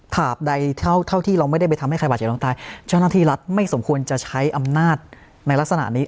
าบใดเท่าเท่าที่เราไม่ได้ไปทำให้ใครบาดเจ็บน้องตายเจ้าหน้าที่รัฐไม่สมควรจะใช้อำนาจในลักษณะนี้